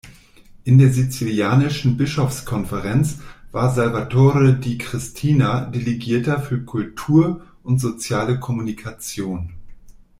In der Sizilianischen Bischofskonferenz war Salvatore Di Cristina Delegierter für Kultur und soziale Kommunikation.